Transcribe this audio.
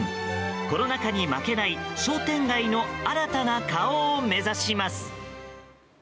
コロナ禍に負けない商店街の新たな顔を目指します。